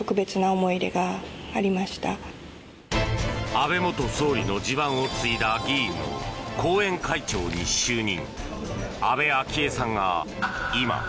安倍元総理の地盤を継いだ議員の後援会長に就任。